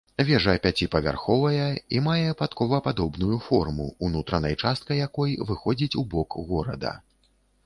Вежа пяціпавярховая, і мае падковападобную форму ўнутранай частка якой выходзіць у бок горада.